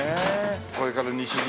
これから西陣をね